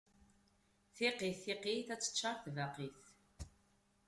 Tiqqit, tiqqit, ad teččaṛ tbaqit.